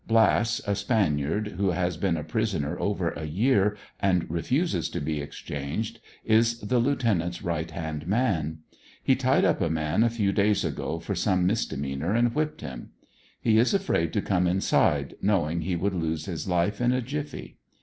Blass, a Spaniard, who has been a prisoner over a year and refuses to be exchanged, is the lieutenant's right hand man. He tied up a man a few days ago for some misdemeanor and whipped him. He is afraid to come inside, knowiug he would lose his life in a jiffy.